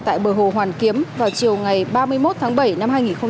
tại bờ hồ hoàn kiếm vào chiều ngày ba mươi một tháng bảy năm hai nghìn một mươi sáu